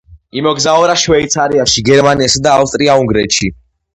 იმოგზაურა შვეიცარიაში, გერმანიასა და ავსტრია-უნგრეთში.